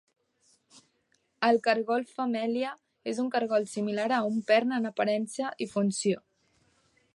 El cargol-femella és un cargol similar a un pern en aparença i funció.